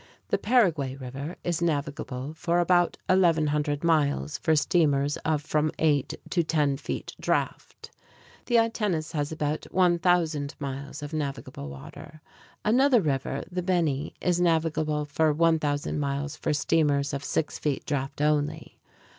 The Paraguay River is navigable for about 1,100 miles for steamers of from eight to ten feet draft. The Itenes has about 1,000 miles of navigable water. Another river, the Beni, is navigable for 1,000 miles for steamers of six feet draft only.